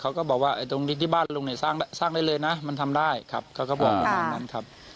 ก็บอกว่าตรงนี้ที่บ้านลุงเนี่ยสร้างได้เลยนะมันทำได้ครับเขาก็บอกประมาณนั้นครับ